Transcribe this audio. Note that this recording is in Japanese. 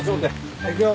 はいいくよ。